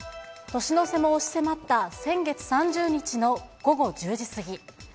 年の瀬も押し迫った、先月３０日の午後１０時過ぎ。